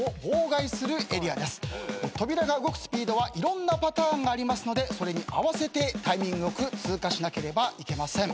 扉が動くスピードはいろんなパターンがありますのでそれに合わせてタイミング良く通過しなければいけません。